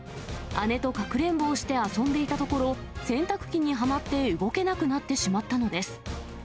姉とかくれんぼをして遊んでいたところ、洗濯機にはまって動けなくなってしまったのです。